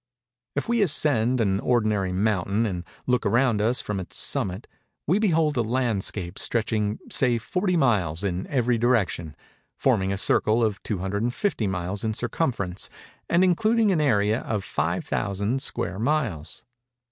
If we ascend an ordinary mountain and look around us from its summit, we behold a landscape stretching, say 40 miles, in every direction; forming a circle 250 miles in circumference; and including an area of 5000 square miles.